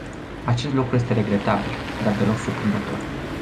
Acest lucru este regretabil, dar deloc surprinzător.